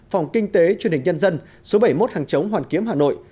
phòng kinh tế truyền hình nhân dân số bảy mươi một hàng chống hoàn kiếm hà nội